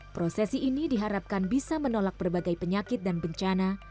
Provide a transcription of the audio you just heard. prosesi ini diharapkan bisa menolak berbagai penyakit dan bencana